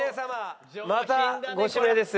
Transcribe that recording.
またご指名です。